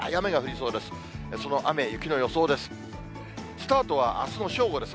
その雨や雪の予想です。